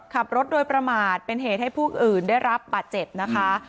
ขับรถโดยประมาทเป็นเหตุให้ผู้อื่นได้รับบาดเจ็บนะคะ